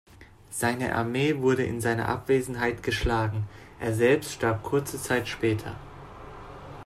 Seine Armee wurde in seiner Abwesenheit geschlagen, er selbst starb kurze Zeit später.